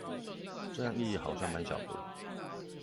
這樣意義好像滿小的